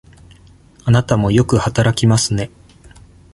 あなたもよく働きますね。